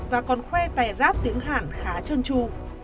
và còn khoe tài rap tiếng hàn khá chân chu